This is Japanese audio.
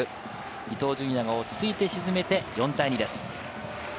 伊東純也が落ち着いて沈めて、４対２です。